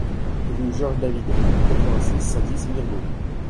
Rue Georges David, quatre-vingt-six, cent dix Mirebeau